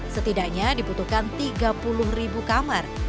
setidaknya dibutuhkan tiga puluh ribu kamar